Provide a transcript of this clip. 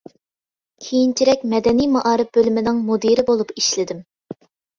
كېيىنچىرەك مەدەنىي مائارىپ بۆلۈمىنىڭ مۇدىرى بولۇپ ئىشلىدىم.